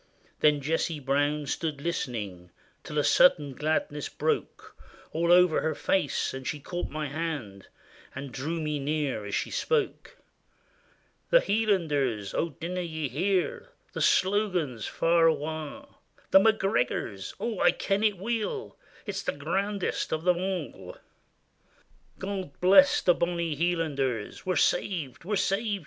There Jessie Brown stood listening Till a sudden gladness broke All over her face ; and she caught my hand And drew me near as she spoke :—" The Hielanders ! Oh, dinna ye hear The slogan far awa'? The McGregor's. Oh! Ikenitweel; It's the grandest o' them a' !" God bless the bonny Hielanders! We 're saved! we 're saved!"